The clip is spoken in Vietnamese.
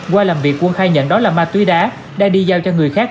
qua làm việc quân khai nhận đó là ma túy đá đã đi giao cho người khác